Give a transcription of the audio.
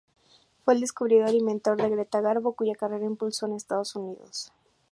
Fue el descubridor y mentor de Greta Garbo, cuya carrera impulsó en Estados Unidos.